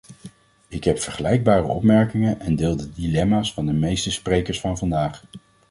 Ik heb vergelijkbare opmerkingen en deel de dilemma's van de meeste sprekers van vandaag.